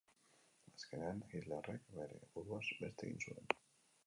Azkenean Hitlerrek bere buruaz beste egin zuen.